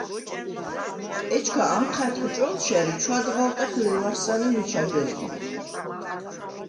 ეჩქა ანჴა̈დხ ჭო̄ლშა̈რ ი ჩვადღალტეხ ლევარსან ი მიჩა გეზლი̄რ.